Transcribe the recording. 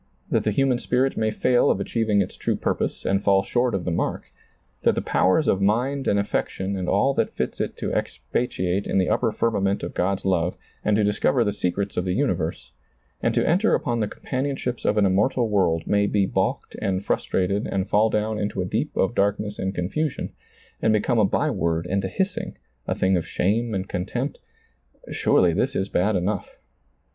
That the human spirit may fail of achieving its true purpose and ^1 short of the mark ; that the powers of mind and affection and all that fits it to expatiate in the upper firmament of God's love and to discover the secrets of the ^lailizccbvGoOgle 136 SEEING DARKLY universe, and to enter upon the companionships of an immortal world, may be balked and frus trated and fall down into a deep of darkness and confusion, and become a byword and a hissing, a thing of shame and contempt — surely this is bad enough.